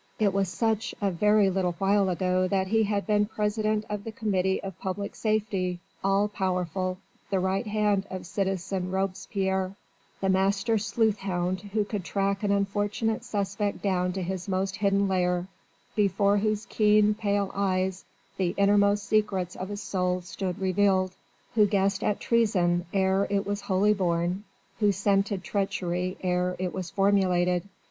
It was such a very little while ago that he had been president of the Committee of Public Safety, all powerful, the right hand of citizen Robespierre, the master sleuth hound who could track an unfortunate "suspect" down to his most hidden lair, before whose keen, pale eyes the innermost secrets of a soul stood revealed, who guessed at treason ere it was wholly born, who scented treachery ere it was formulated.